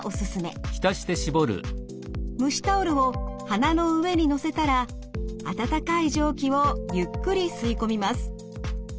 蒸しタオルを鼻の上に載せたら温かい蒸気をゆっくり吸い込みます。